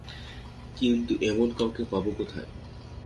কিন্তু এমন কেউকে পাব কোথায়?